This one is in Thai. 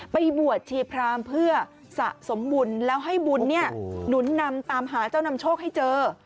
ไปบวชชีพรามเพื่อสะสมบุญแล้วให้บุญเนี่ยหนุนนำตามหาเจ้านำโชคให้เจอ